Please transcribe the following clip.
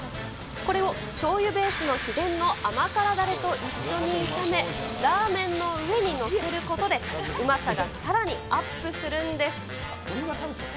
これをしょうゆベースの秘伝の甘辛だれと一緒に炒め、ラーメンの上に載せることで、うまさがさらにアップするんです。